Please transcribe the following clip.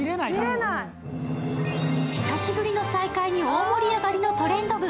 久しぶりの再会に大盛り上がりの「トレンド部」。